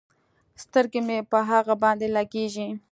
سترګې مې په هغه باندې لګېږي.